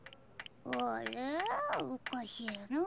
あれおかしいなぁ。